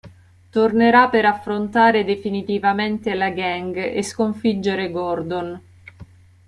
Tornerà per affrontare definitivamente la gang e sconfiggere Gordon.